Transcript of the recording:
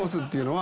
は